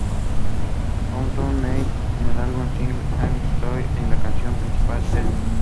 Countdown "de Mnet con su álbum single, "Angels' Story" y la canción principal "Elvis".